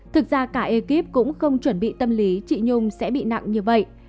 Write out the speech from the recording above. thực ra cả ekip cũng không chuẩn bị tâm lý chị nhung sẽ bị nặng như vậy